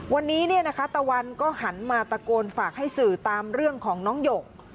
วันนี้ตะวันก็หันมาตะโกนฝากให้สื่อตามเรื่องของน้องหยก